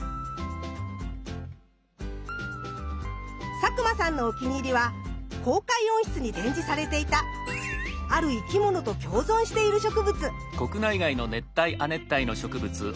佐久間さんのお気に入りは公開温室に展示されていたある生き物と共存している植物。